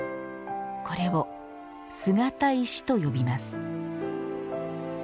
これを姿石と呼びます。